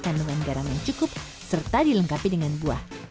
kandungan garam yang cukup serta dilengkapi dengan buah